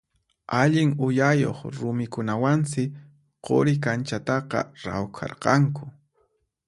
Allin uyayuq rumikunawansi Quri kanchataqa rawkharqanku.